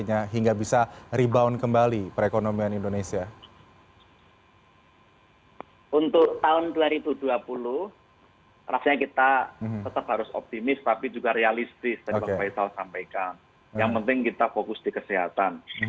yang penting kita fokus di kesehatan